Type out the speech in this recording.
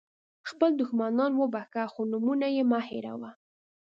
خپل دښمنان وبخښه خو نومونه یې مه هېروه.